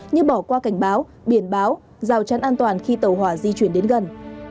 như bỏ qua cảnh báo biển báo rào trăn an toàn khi tàu hỏa di chuyển đến gần